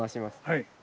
はい。